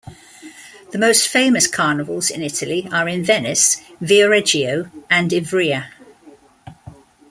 The most famous Carnivals in Italy are in Venice, Viareggio and Ivrea.